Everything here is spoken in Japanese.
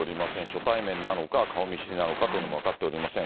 初対面なのか、顔見知りなのかというのも分かっておりません。